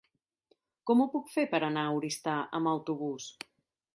Com ho puc fer per anar a Oristà amb autobús?